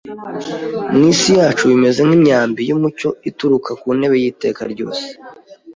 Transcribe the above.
mu isi yacu bimeze nk’imyambi y’umucyo ituruka ku ntebe y’iteka ryose.